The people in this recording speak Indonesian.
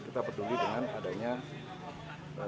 kita peduli dengan adanya peninggalan sejarah